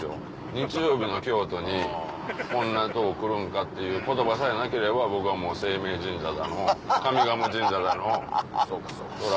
日曜日の京都にこんなとこ来るんかっていう言葉さえなければ僕はもう晴明神社だの上賀茂神社だのそら。